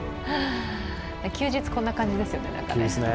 休日、こんな感じですよね。